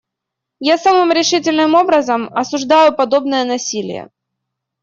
Я самым решительным образом осуждаю подобное насилие.